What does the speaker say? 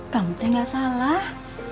kamu teh gak salah